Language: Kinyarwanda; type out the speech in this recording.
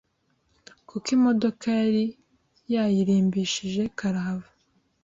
kuko imodoka yari yayiririmbishije karahava.